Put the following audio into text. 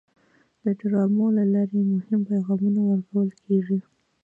د ډرامو له لارې مهم پیغامونه ورکول کېږي.